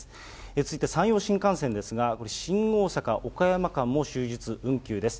続いて山陽新幹線ですが、新大阪・岡山間も終日運休です。